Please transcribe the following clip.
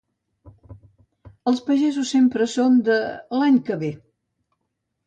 Els pagesos sempre són de l'any que ve.